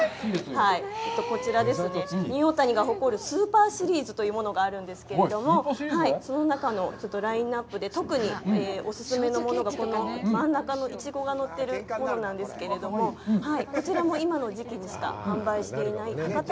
こちらですね、ニューオータニが誇るものがあるんですけれども、その中のちょっとラインナップで、特にお勧めのものが、この真ん中のイチゴがのっているものなんですけれども、こちらも今の時期にしか販売していない博多